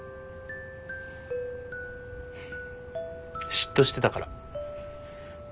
嫉妬してたから。